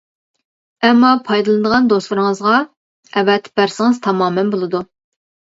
ئەمما پايدىلىنىدىغان دوستلىرىڭىزغا ئەۋەتىپ بەرسىڭىز تامامەن بولىدۇ.